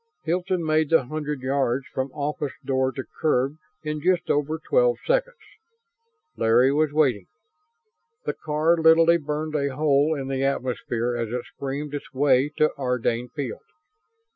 Hilton made the hundred yards from office door to curb in just over twelve seconds. Larry was waiting. The car literally burned a hole in the atmosphere as it screamed its way to Ardane Field.